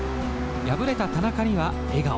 敗れた田中には笑顔。